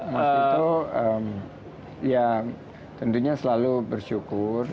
mas itu ya tentunya selalu bersyukur